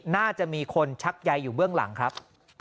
น่าจะมีคนชักใยอยู่เบื้องหลังครับ